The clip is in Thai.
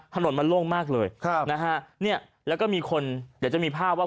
ถนนมันโล่งมากเลยครับนะฮะเนี่ยแล้วก็มีคนเดี๋ยวจะมีภาพว่า